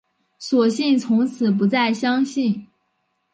索性从此不再相信